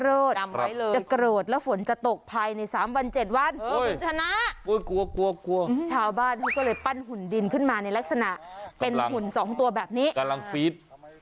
โอ้ยกลัวชาวบ้านเขาก็เลยปั้นหุ่นดินขึ้นมาในลักษณะเป็นหุ่นสองตัวแบบนี้กำลังฟีด